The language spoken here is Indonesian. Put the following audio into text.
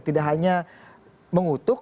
tidak hanya mengutuk